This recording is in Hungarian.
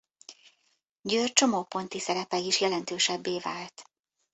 Győr csomóponti szerepe is jelentősebbé vált.